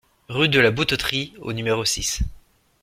Rue de la Boutetrie au numéro six